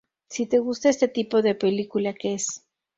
Si te gusta este tipo de película, que es".